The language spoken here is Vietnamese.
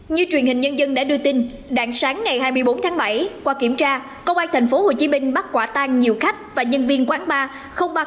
như truyền hình nhân dân đã đưa tin đáng sáng ngày hai mươi bốn tháng bảy qua kiểm tra công an tp hcm bắt quả tan nhiều khách và nhân viên quán bar